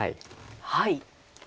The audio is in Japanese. はい。